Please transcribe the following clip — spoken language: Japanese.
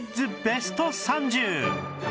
ベスト３０